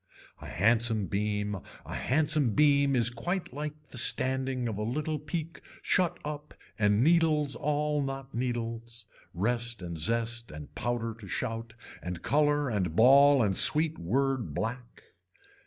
A handsome beam a handsome beam is quite like the standing of a little peak shut up and needles all not needles. Rest and zest and powder to shout and color and ball and sweet word black.